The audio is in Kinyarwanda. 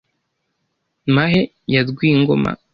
Mahe ya Rwingoma